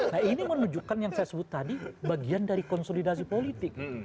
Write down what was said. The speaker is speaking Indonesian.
nah ini menunjukkan yang saya sebut tadi bagian dari konsolidasi politik